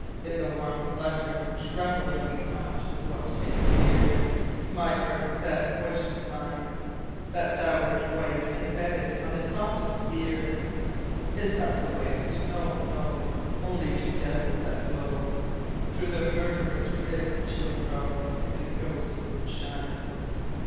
In the warm thunder : (Tremble and weep not I What can you fear?) My heart's best wish is thine, — That thou wert white, and bedded On the softest bier. In the ghosts* moonshine. Is that the wind ? No, no ; Only two devils, that blow Through the murderer's ribs to and fro. In the ghosts' moonshine.